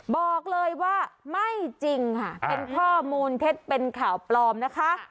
บอกเลยว่าไม่จริงค่ะเป็นข้อมูลเท็จเป็นข่าวปลอมนะคะ